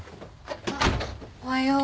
あっおはよう。